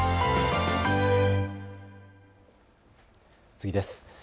次です。